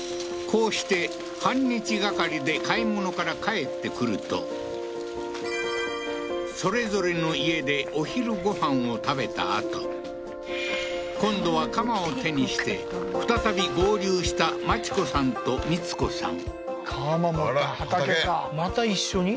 こうして半日掛かりで買い物から帰ってくるとそれぞれの家でお昼ご飯を食べたあと今度は鎌を手にして再び合流したマチ子さんと光子さん鎌持った畑かまた一緒に？